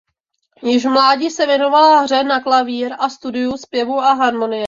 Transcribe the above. Již v mládí se věnovala hře na klavír a studiu zpěvu a harmonie.